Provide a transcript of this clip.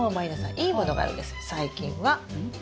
いい物があるんです最近は。